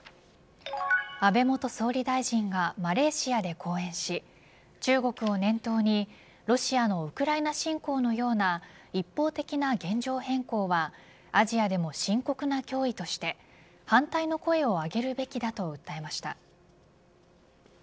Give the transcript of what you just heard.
安倍元総理大臣がマレーシアで講演し中国を念頭にロシアのウクライナ侵攻のような一方的な現状変更はアジアでも深刻な脅威として反対の声を上げるべきだと訴えました。